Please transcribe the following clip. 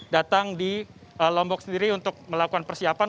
datang di lombok sendiri untuk melakukan persiapan